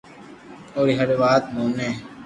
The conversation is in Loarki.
اوري ھر وات موني